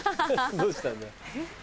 どうしたんだ？